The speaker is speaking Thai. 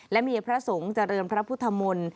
และมีพระสงฆ์เจริญพระพุทธมนต์